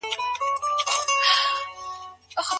ولي محنتي ځوان د وړ کس په پرتله برخلیک بدلوي؟